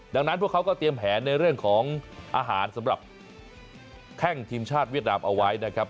ดังนั้นพวกเขาก็เตรียมแผนในเรื่องของอาหารสำหรับแข้งทีมชาติเวียดนามเอาไว้นะครับ